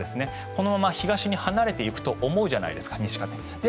このまま東に離れていくと思うじゃないですか、西風で。